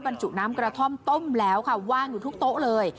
บรรจุน้ำกระท่อมต้มแล้วค่ะว่างอยู่ทุกโต๊ะเลย